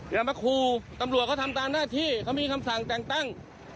อย่ามาครูตำรวจเขาทำตามหน้าที่เขามีคำสั่งแต่งตั้ง